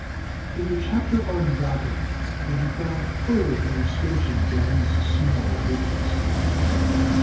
In the chapter on Yachting will be found further illustrations of these small rigs.